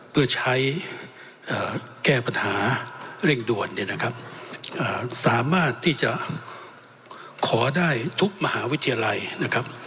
เพื่อใช้แก้ปัญหาเร่งด่วนเนี่ยนะครับสามารถที่จะขอได้ทุกมหาวิทยาลัยนะครับ